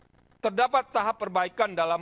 dan terdapat tahap perbaikan dalam